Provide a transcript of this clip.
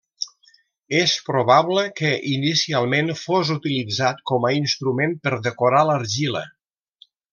És probable que inicialment fos utilitzat com a instrument per decorar l'argila.